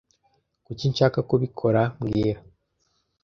Kuki nshaka kubikora mbwira